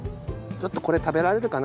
ちょっとこれ食べられるかな？